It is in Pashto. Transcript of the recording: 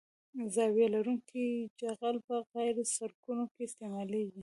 زاویه لرونکی جغل په قیر سرکونو کې استعمالیږي